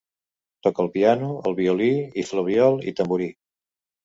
Tocà el piano, el violí, i flabiol i tamborí.